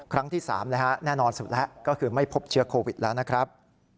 ครั้งที่๓แน่นอนสุดแล้วก็คือไม่พบเชื้อโควิดแล้วนะครับ